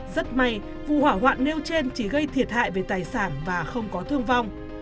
rất may vụ hỏa hoạn nêu trên chỉ gây thiệt hại về tài sản và không có thương vong